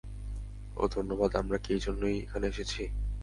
ওহ, ধন্যবাদ, আমরা কি এইজন্যই এখানে এসেছি?